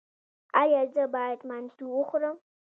ایا زه باید منتو وخورم؟